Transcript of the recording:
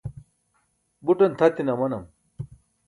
buṭan tʰatine amanam